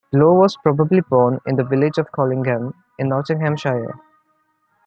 Blow was probably born in the village of Collingham in Nottinghamshire.